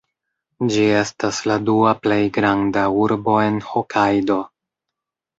Ĝi estas la dua plej granda urbo en Hokajdo.